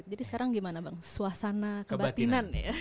jadi sekarang gimana bang suasana kebatinan